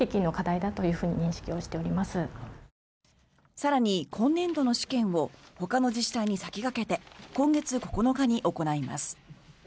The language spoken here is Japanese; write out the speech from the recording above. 更に、今年度の試験をほかの自治体に先駆けて今月９日に行います。